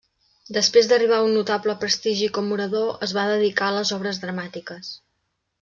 Després d'arribar a un notable prestigi com orador es va dedicar a les obres dramàtiques.